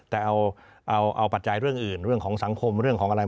แต่เอาปัจจัยเรื่องอื่นเรื่องของสังคมเรื่องของอะไร